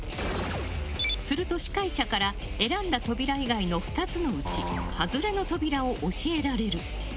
すると、司会者から選んだ扉以外の２つのうち外れの扉を教えられる。